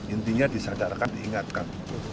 intinya disadarkan diingatkan